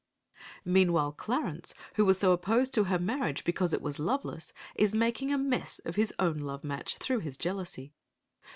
Meanwhile, Clarence, who was so opposed to her marriage because it was loveless, is making a mess of his own love match, through his jealousy.